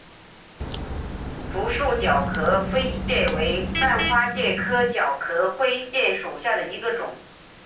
符坚角壳灰介为半花介科角壳灰介属下的一个种。